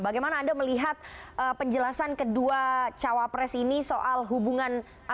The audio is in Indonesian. bagaimana anda melihat penjelasan kedua cawapres ini soal hubungan